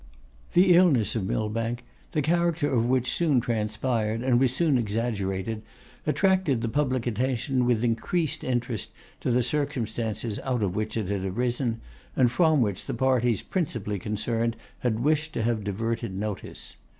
The illness of Millbank, the character of which soon transpired, and was soon exaggerated, attracted the public attention with increased interest to the circumstances out of which it had arisen, and from which the parties principally concerned had wished to have diverted notice.